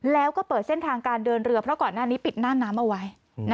แล้วก็เปิดเส้นทางการเดินเรือเพราะก่อนหน้านี้ปิดหน้าน้ำเอาไว้